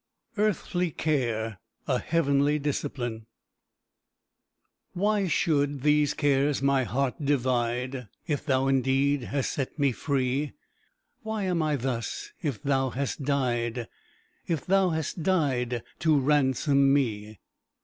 EARTHLY CARE A HEAVENLY DISCIPLINE "Why should these cares my heart divide, If Thou, indeed, hast set me free? Why am I thus, if Thou hast died If Thou hast died to ransom me?"